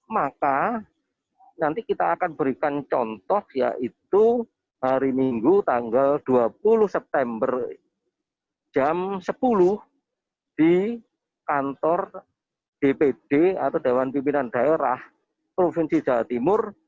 maka nanti kita akan berikan contoh yaitu hari minggu tanggal dua puluh september jam sepuluh di kantor dpd atau dewan pimpinan daerah provinsi jawa timur